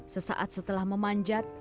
sesaat setelah memanjat